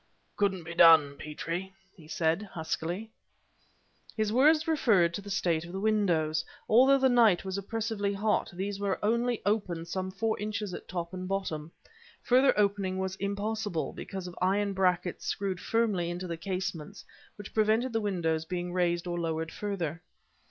"Couldn't be done, Petrie," he said, huskily. His words referred to the state of the windows. Although the night was oppressively hot, these were only opened some four inches at top and bottom. Further opening was impossible because of iron brackets screwed firmly into the casements which prevented the windows being raised or lowered further.